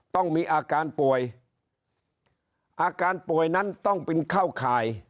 ต้องมีอาการป่วยอาการป่วยนั้นต้องเป็นเข้าข่าย